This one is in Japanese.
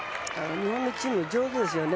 日本のチーム上手ですよね。